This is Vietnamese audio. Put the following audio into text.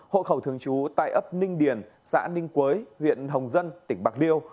hộ khẩu thường trú tại ấp ninh điền xã ninh quế huyện hồng dân tỉnh bạc liêu